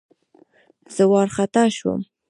زه وارخطا شوم.